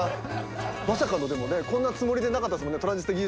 まさかのでもねこんなつもりでなかったですもんね。